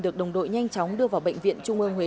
được đồng đội nhanh chóng đưa vào bệnh viện trung ương huế